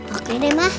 oke deh ma